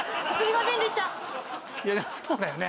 そうだよね